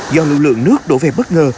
do lực lượng nước đổ về bất ngờ